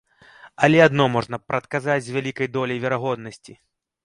Але адно можна прадказаць з вялікай доляй верагоднасці.